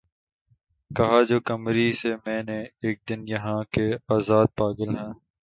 کہا جو قمری سے میں نے اک دن یہاں کے آزاد پاگل ہیں